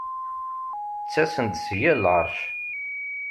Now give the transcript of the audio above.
Ttasen-d si yal lɛeṛc.